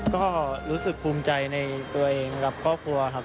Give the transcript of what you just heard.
ก็รู้สึกภูมิใจในตัวเองกับครอบครัวครับ